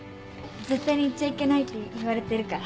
絶対に言っちゃいけないって言われてるから。